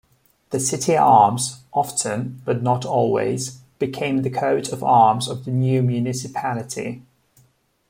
The city arms often-but not always-became the coat of arms of the new municipality.